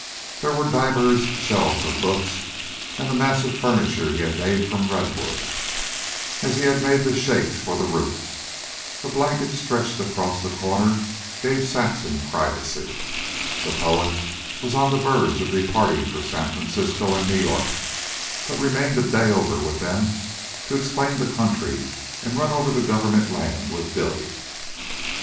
There were divers shelves of books, and the massive furniture he had made from redwood, as he had made the shakes for the roof. A blanket, stretched across a corner, gave Saxon privacy. The poet was on the verge of departing for San Francisco and New York, but remained a day over with them to explain the country and run over the government land with Billy.